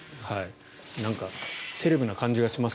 なんか、セレブな感じがします。